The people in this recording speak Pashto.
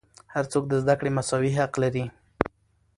هر څوک د زدهکړې مساوي حق لري.